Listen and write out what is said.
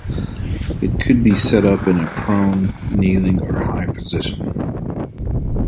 It could be set up in a prone, kneeling or high position.